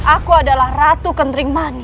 aku adalah ratu kentering mani